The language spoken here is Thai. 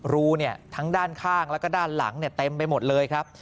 ทั้งด้านข้างแล้วก็ด้านหลังเต็มไปหมดเลยครับ